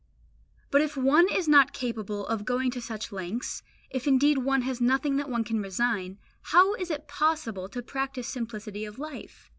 But if one is not capable of going to such lengths, if indeed one has nothing that one can resign, how is it possible to practise simplicity of life?